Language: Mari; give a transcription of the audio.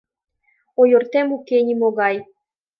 Ойыртем уке нимогай.